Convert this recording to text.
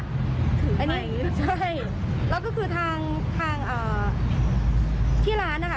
ถือไปใช่แล้วก็คือทางทางอ่าที่ร้านน่ะค่ะ